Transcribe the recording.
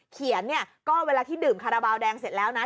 เขียนเนี่ยก็เวลาที่ดื่มคาราบาลแดงเสร็จแล้วนะ